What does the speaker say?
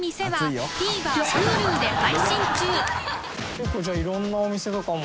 結構じゃあいろんなお店とかも。